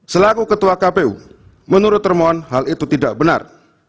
selaku ketua kpu menurut hermon hal itu tidak benar